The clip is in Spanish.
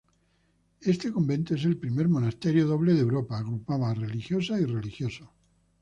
Este convento es el primer monasterio doble de Europa: agrupaba a religiosas y religiosos.